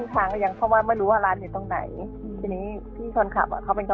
พรุ่งเต็มมันสว่างและอีก๒๕บาท